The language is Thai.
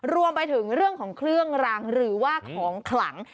รวมไปถึงเรื่องของเครื่องรางหรือว่าของขลัง